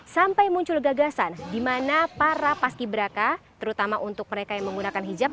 sampai muncul gagasan di mana para paski beraka terutama untuk mereka yang menggunakan hijab